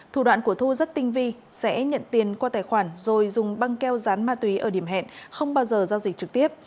thủ đoạn của thu rất tinh vi sẽ nhận tiền qua tài khoản rồi dùng băng keo rán ma túy ở điểm hẹn không bao giờ giao dịch trực tiếp